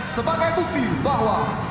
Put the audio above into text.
sebagai bukti bahwa